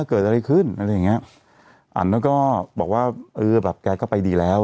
เกิดอะไรขึ้นอะไรอย่างเงี้ยอันนั้นก็บอกว่าเออแบบแกก็ไปดีแล้ว